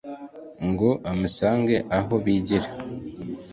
ngo amusange aho bigira.